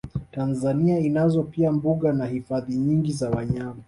Tanzania inazo pia mbuga na hifadhi nyingi za wanyama